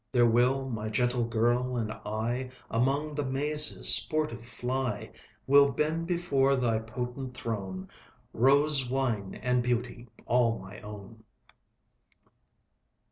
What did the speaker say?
There will my gentle Girl and I, Along the mazes sportive fly, Will bend before thy potent throne Rose, Wine, and Beauty, all my own.